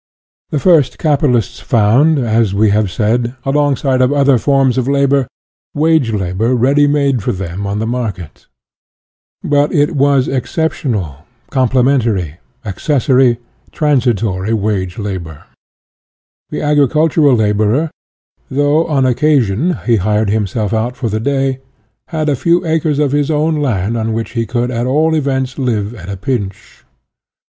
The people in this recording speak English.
The first capitalists found, as we have said, alongside of other forms of labor, wage labor ready made for them on the market. But it was exceptional, comple mentary, accessory, transitory wage labor. The agricultural laborer, though, upon oc casion, he hired himself out by the day, had a few acres of his own land on which he could at all events live at a pinch.